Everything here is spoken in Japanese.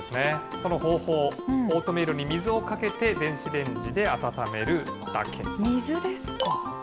その方法、オートミールに水をかけて、電子レンジで温めるだけ。